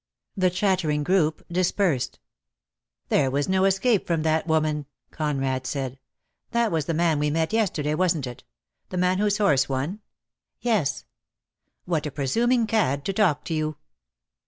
The chattering group dispersed. "There was no escape from that woman," Con rad said. "That was the man we met yesterday, wasn't it? The man whose horse won?" "Yes." "What a presuming cad to talk to you."